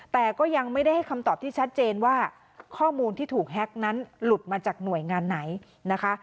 แต่ก็ยังไม่ได้ให้คำตอบที่ชัดเจนว่าข้อมูลที่ถูกแฮ็กนั้นหลุดมาจากหน่วยงานไหนนะคะ